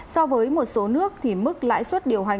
so với một số nước thì mức lãi suất điều hành